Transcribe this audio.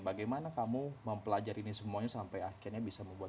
bagaimana kamu mempelajari ini semuanya sampai akhirnya bisa membuat